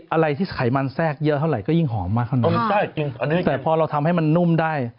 อะไรที่ไขมันแทรกเยอะเท่าไหร่ก็ยิ่งหอมมากเท่านั้นแต่พอเราทำให้มันนุ่มได้